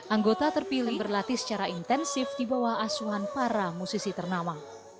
anggota terpilih berlatih secara intensif di bawah asuhan para musisi ternama